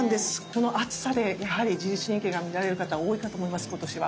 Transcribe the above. この暑さでやはり自律神経が乱れる方多いかと思います今年は。